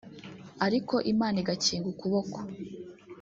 ariko Imana igakinga ukuboko